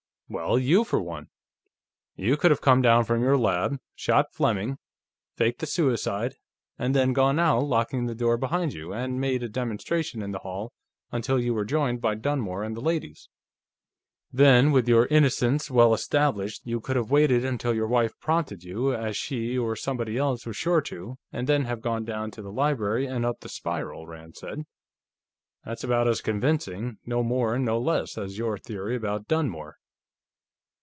"Well, you, for one. You could have come down from your lab, shot Fleming, faked the suicide, and then gone out, locking the door behind you, and made a demonstration in the hall until you were joined by Dunmore and the ladies. Then, with your innocence well established, you could have waited until your wife prompted you, as she or somebody else was sure to, and then have gone down to the library and up the spiral," Rand said. "That's about as convincing, no more and no less, as your theory about Dunmore."